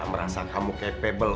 merasa kamu capable